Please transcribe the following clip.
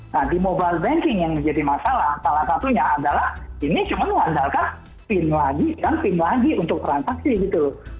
nah di mobile banking yang menjadi masalah salah satunya adalah ini cuma mengandalkan pin lagi dan pin lagi untuk transaksi gitu loh